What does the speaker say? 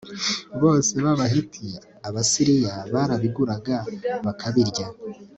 bose babaheti abasiriya barabiguraga bakabirya